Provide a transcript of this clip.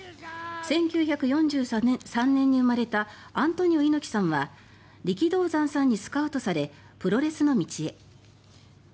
１９４３年に生まれたアントニオ猪木さんは力道山さんにスカウトされプロレスの道へ。